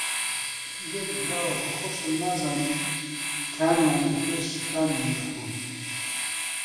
لێکدراوە و بۆخۆشم نازانم کامیان لەپێش کامیاندا بوون